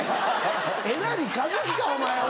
えなりかずきかお前は！